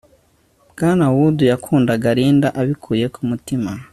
bwana wood yakundaga linda abikuye ku mutima